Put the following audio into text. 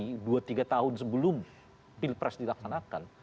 tidak seperti sepuluh tahun sebelum pilpres dilaksanakan